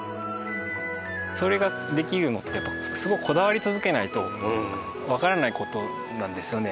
それができるのってやっぱりすごいこだわり続けないとわからない事なんですよね。